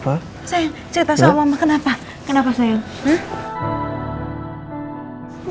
sayang cerita soal mama kenapa kenapa sayang